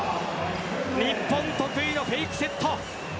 日本、得意のフェイクセット。